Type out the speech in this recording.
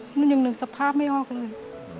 หนูอย่างหนึ่งสภาพไม่ออกเลย